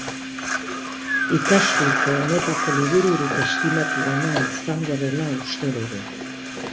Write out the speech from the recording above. Ikasturte honetako libururik estimatuena izango dela uste dugu.